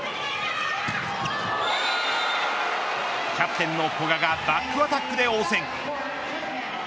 キャプテンの古賀がバックアタックで応戦。